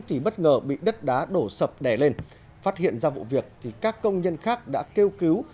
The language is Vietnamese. thì bất ngờ bị đất đá đổ sập đè lên phát hiện ra vụ việc thì các công nhân khác đã kêu cứu